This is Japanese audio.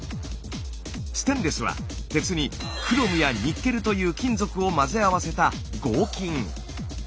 ステンレスは鉄にクロムやニッケルという金属を混ぜ合わせた合金。